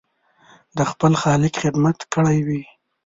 د خپل خالق خدمت کړی وي.